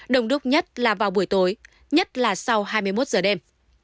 đồng đúc nhất là vào buổi tối nhất là sau hai mươi một giờ đêm